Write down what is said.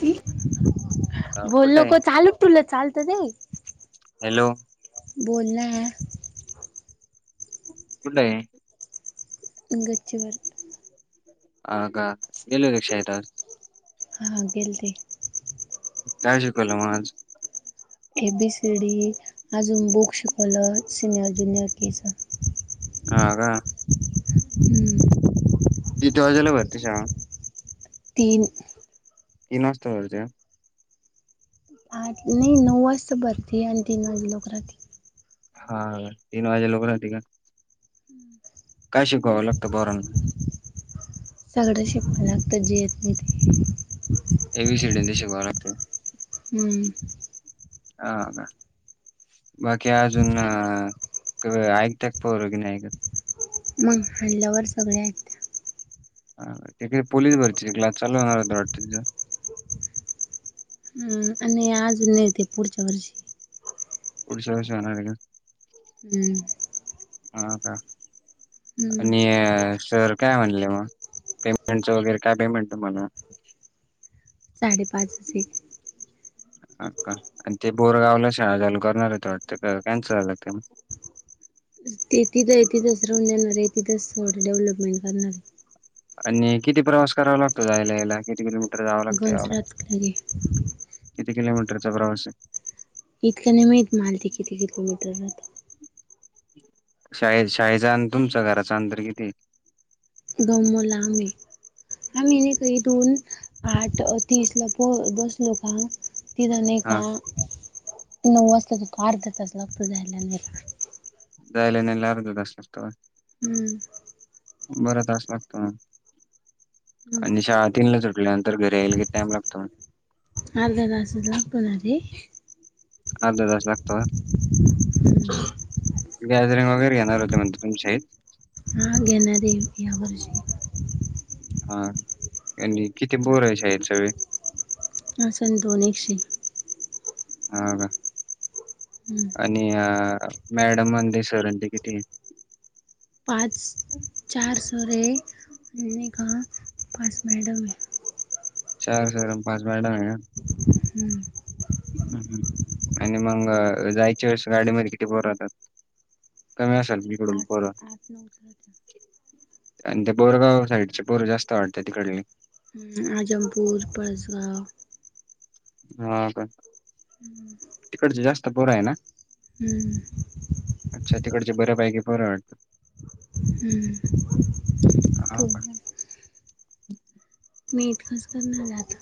की अ कुठे बोललो आहे की चालू तुलं चालतं [inaudible] हॅलो बोलना कुठं हाय गच्चीवर आग आग [inaudible] हा गेलते काय शिकवलं मग आज एबीसी डी आजून बुक्स [inaudible] सिनियर ज्युनियर का गा किती वाजला भरते शाळा तीन [unintelligible] आठ नाही नऊ वाजता भरते आणि तीन वाजे [inaudible] हा तीन वाजे [inaudible] हम् काय शिकवावं लागतं पोरांना सगळं शिकवाव लागतं जे येत नाही ते ए बी सीडी शिकवावे लागते हम्म हा बाकी अजून ऐकत्यात पोरं नाय ग मग हाणडल्यावर सगळं ऐकत्यात तिथे पोलीस भरची हम् आणि आज [unintelligible] हम्म हो का हम्म आणि सर काय म्हणले मग साडेपाच असे अ का आणि ते बोरगावला शाळा चालू करणार होत वाटतं कॅन्सल झालं ते तिथं इ तिथंच राहून देणार आहे इ तिथच थोडं डेव्हलपमेंट करणार आहे आणि किती प्रवास करावा लागतो जायला याला किती किलोमीटर जावं लागतं यावं लागतं [unintelligible] किती किलोमीटरचा प्रवास इतक नाही माहत मारते किती किलोमीटर [inaudible] [inaudible] शाळे शाळेचा आणि तुमच घराच अंतर किती [inaudible] गमला म आम्ही नाही काही दोन [inaudible] आठ तीस ला प बसलो का ति जा नाही हा का [inaudible] नऊ वाजताच हो तो अर्धा तास लागतो झायला नाही जायला नला अर्ध जा लागतो [inaudible] हम्म [inaudible] बर तास लागतो ना [inaudible] हम्म आणि शाळा तीनला त उटल्यानंतर घरी यायला कि टाम लागतो [inaudible] अर्धा तासच लागतोणार रे [inaudible] [inaudible] अर्ध दश लागतव [inaudible] गॅदरिंग वगैरे घेणार होते म्हणज तुमच्याही ह घेणारे या वर्षी [inaudible] हा [inaudible] आणि कितीे बोर आहे शायर सगळे [inaudible] असन दोन एकशे ह का [inaudible] [inaudible] हम्म आणि मॅडम म्हण ते सर ते किती [inaudible] पाच चार स रे [inaudible] आणि का पाच मेळट चार सर पाच मॅड आहे [inaudible] हम्म [inaudible] [inaudible] आणि मग जायची वेळेस गाडीमध्ये किती बोरतात कमी असाल तिकडून परत [inaudible] न [inaudible] आणि ते बोरगाव साईडचे पोरं जास्त आवडतं तिकडले [inaudible] हम्म आजमपूर परसगाव हा का [inaudible] तिकडच जास्त बोरा आहे ना [inaudible] हम्म [inaudible] अच्छा तिकडचे बऱ्यापाैकी फरं वाटतं [inaudible] हम्म [inaudible] हा तू का [inaudible] मेद खास कर ना जात